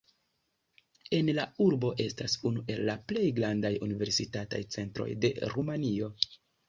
En la urbo estas unu el la plej grandaj universitataj centroj de Rumanio.